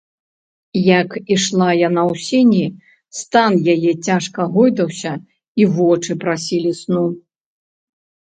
Як ішла яна ў сені, стан яе цяжка гойдаўся, і вочы прасілі сну.